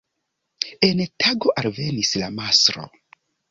En tago, alvenis la mastro.